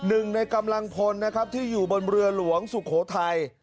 หนึ่งในกำลังพลนะครับที่อยู่บนเรือหลวงสุโขทัย